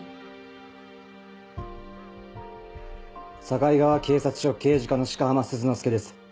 境川警察署刑事課の鹿浜鈴之介です。